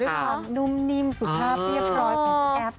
ด้วยความนุ่มนิ่มสุขภาพเรียบร้อยของพี่แอ๊บเนอะ